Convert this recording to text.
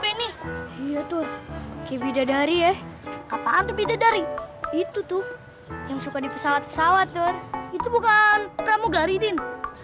wah cantik banget ya ini iya tuh kebidadari eh apaan lebih dari itu tuh yang suka di pesawat pesawat itu bukan pramugari din